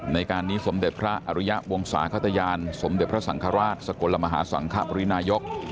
ในการนี้สมเด็จพระอริยะวงศาขตยานสมเด็จพระสังฆราชสกลมหาสังคปรินายก